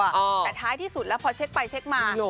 แต่ท้ายที่สุดแล้วพอเช็คไปเช็คมา